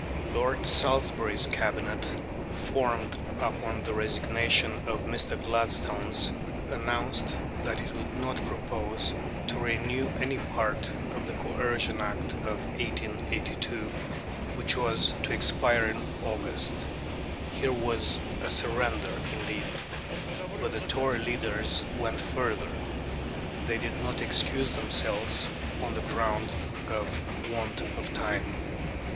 Lord Salisbury's Cabinet, formed upon the resignation of Mr. Gladstone's, announced that it would not propose to renew any part of the Coercion Act of 1882, which was to expire in August. Here was a surrender indeed! But the Tory leaders went further. They did not excuse themselves on the ground of want of time.